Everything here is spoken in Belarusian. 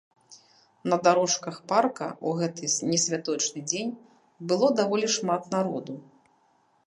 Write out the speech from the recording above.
На дарожках парка ў гэты несвяточны дзень было даволі шмат народу.